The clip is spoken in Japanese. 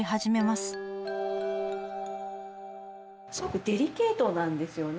すごくデリケートなんですよね